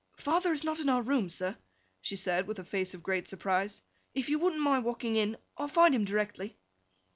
'Father is not in our room, sir,' she said, with a face of great surprise. 'If you wouldn't mind walking in, I'll find him directly.